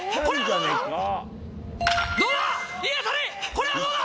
これはどうだ？